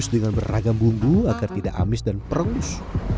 terus dengan beragam bumbu agar tidak amis dan perus